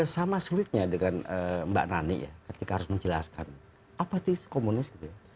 sama sulitnya dengan mbak nani ketika harus menjelaskan apa sih komunis